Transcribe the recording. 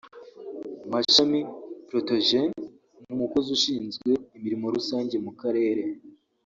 Mashami Protogène n’Umukozi ushinzwe imirimo rusange mu Karere